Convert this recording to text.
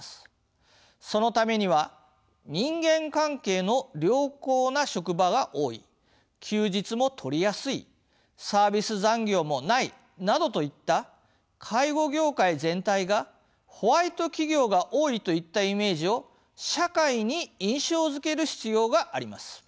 そのためには人間関係の良好な職場が多い休日も取りやすいサービス残業もないなどといった介護業界全体がホワイト企業が多いといったイメージを社会に印象づける必要があります。